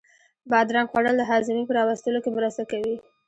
بادرنگ خوړل د هاضمې په را وستلو کې مرسته کوي.